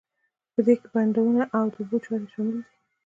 په دې کې بندونه او د اوبو چارې شاملې دي.